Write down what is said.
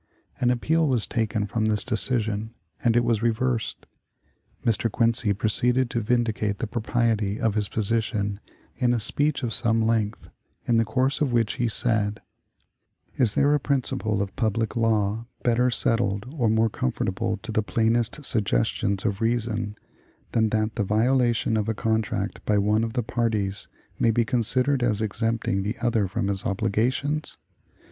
An appeal was taken from this decision, and it was reversed. Mr. Quincy proceeded to vindicate the propriety of his position in a speech of some length, in the course of which he said: "Is there a principle of public law better settled or more conformable to the plainest suggestions of reason than that the violation of a contract by one of the parties may be considered as exempting the other from its obligations?